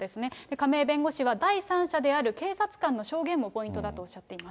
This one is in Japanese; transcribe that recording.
亀井弁護士は、第三者である警察官の証言もポイントだとおっしゃっています。